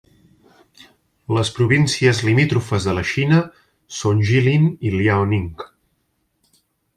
Les províncies limítrofes de la Xina són Jilin i Liaoning.